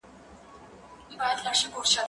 زه کولای سم ليکنه وکړم!